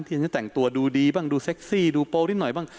ฉันจะแต่งตัวดูดีบ้างดูเซ็กซี่ดูโปรนิดหน่อยบ้าง